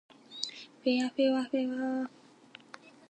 ふぇあふぇわふぇわ